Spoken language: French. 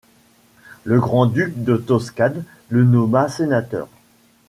Le grand-duc de Toscane le nomma sénateur.